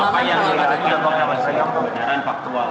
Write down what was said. karena ini bukan sebuah perbicaraan faktual